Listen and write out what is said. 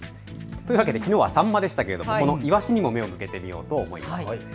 というわけできのうはサンマでしたがイワシにも目を向けてみようと思います。